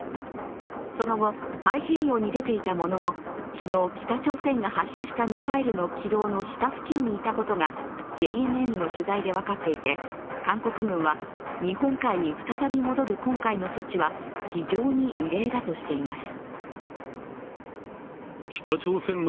その後、太平洋に出ていたものの昨日、北朝鮮が発射したミサイルの軌道の下付近にいたことがＪＮＮの取材で分かっていて韓国軍は日本海に再び戻る今回の措置は非常に異例だとしています。